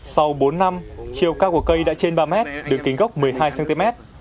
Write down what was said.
sau bốn năm chiều cao của cây đã trên ba mét đường kính gốc một mươi hai cm